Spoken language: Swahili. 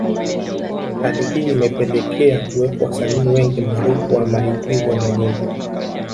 Hali hii imepelekea kuwepo wasanii wengi maarufu wa maigizo na nyimbo